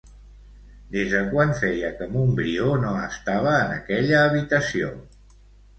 Des de quan feia que Montbrió no estava en aquella habitació?